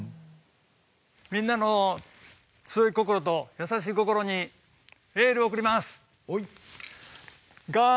みんなの強い心と優しい心にエールを送ります！